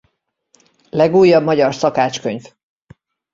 Legújabb magyar szakácskönyv.